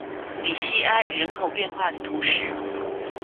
比西埃人口变化图示